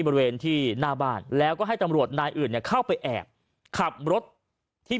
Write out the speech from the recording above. บริเวณที่หน้าบ้านแล้วก็ให้ตำรวจนายอื่นเนี่ยเข้าไปแอบขับรถที่